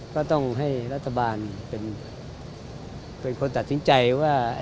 ก็ต้องให้รัฐบาลเป็นคนตัดสินใจว่า